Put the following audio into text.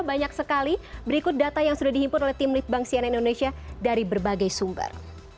banyak sekali berikut data yang sudah dihimpun oleh tim litbang sian indonesia dari berbagai sumber